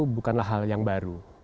bukanlah hal yang baru